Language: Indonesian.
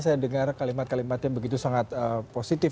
saya dengar kalimat kalimat yang begitu sangat positif